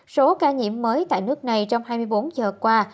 số ca nhiễm mới tại nước này trong hai mươi bốn giờ qua